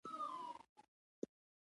زړورتیا د ازادۍ ضامن دی.